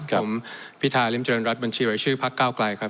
ครับผมพิธาริมเจริญรัฐบัญชีหรือชื่อพักเก้ากลายครับ